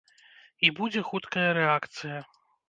І будзе хуткая рэакцыя.